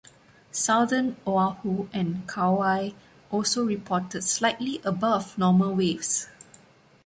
Southern Oahu and Kauai also reported slightly above normal waves.